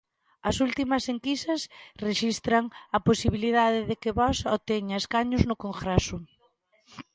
As últimas enquisas rexistran a posibilidade de que Vox obteña escanos no Congreso.